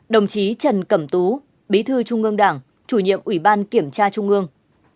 hai mươi bốn đồng chí trần cẩm tú bí thư trung ương đảng chủ nhiệm ủy ban kiểm tra trung ương